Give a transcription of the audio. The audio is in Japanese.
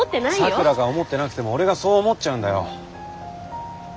咲良が思ってなくても俺がそう思っちゃうんだよ。